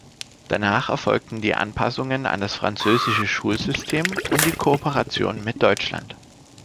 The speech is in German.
Danach erfolgten die Anpassung an das französische Schulsystem und die Kooperation mit Deutschland.